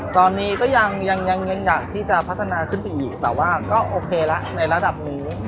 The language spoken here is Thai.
ตอนนี้ก็ยังอยากที่จะพัฒนาขึ้นไปอีกแต่ว่าก็โอเคละในระดับนี้